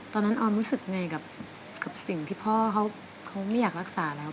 ออมรู้สึกไงกับสิ่งที่พ่อเขาไม่อยากรักษาแล้ว